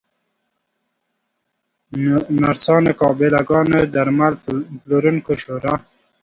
نرسانو، قابله ګانو، درمل پلورونکو شورا